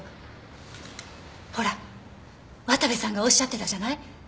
ほら渡部さんがおっしゃってたじゃない？